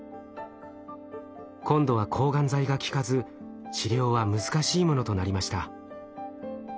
今度は抗がん剤が効かず治療は難しいものとなりました。